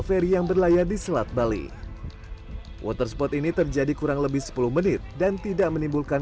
feri yang berlaya di selat bali waterspot ini terjadi kurang lebih sepuluh menit dan tidak menimbulkan